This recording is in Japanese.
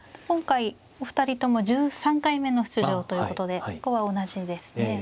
今回お二人とも１３回目の出場ということでそこは同じですね。